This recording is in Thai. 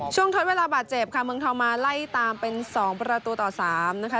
ทดเวลาบาดเจ็บค่ะเมืองทองมาไล่ตามเป็น๒ประตูต่อ๓นะคะ